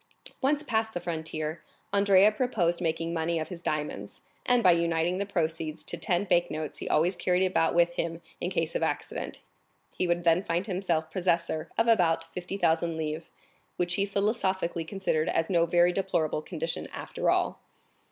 Once past the frontier, Andrea proposed making money of his diamonds; and by uniting the proceeds to ten bank notes he always carried about with him in case of accident, he would then find himself possessor of about 50,000 livres, which he philosophically considered as no very deplorable condition after all.